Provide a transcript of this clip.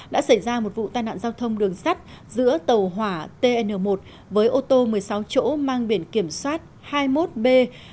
đã xảy ra một vụ tai nạn giao thông đường sắt giữa tàu hỏa tn một với ô tô một mươi sáu chỗ mang biển kiểm soát hai mươi một b năm trăm chín mươi hai